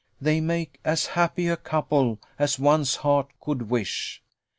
they make as happy a couple as one's heart could wish.